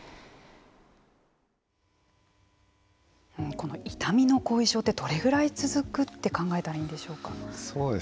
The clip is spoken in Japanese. この痛みの後遺症ってどれぐらい続くって考えたらいいんでしょうか。